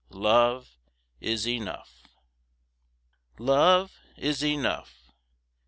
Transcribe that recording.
Love is enough. Love is enough.